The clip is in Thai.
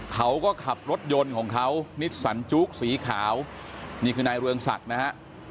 เขาก็ขับรถยนต์ของเขานิสสันจุ๊กสีขาวนี่คือนายเรืองศักดิ์นะฮะ